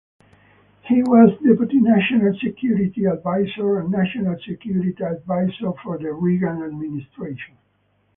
He was Deputy National Security Advisor and National Security Advisor for the Reagan administration.